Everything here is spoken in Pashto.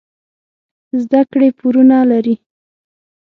زده کړې پورونه لري.